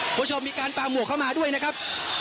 คุณผู้ชมมีการปลาหมวกเข้ามาด้วยนะครับ